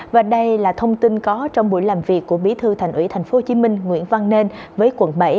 và đây là thông tin có trong buổi làm việc của bí thư thành ủy tp hcm nguyễn văn nên với quận bảy